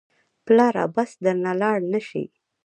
پلاره بس درنه لاړ نه شي.